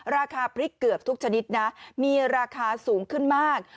ราคาพริกเกือบทุกชนิดนะมีราคาสูงขึ้นมาก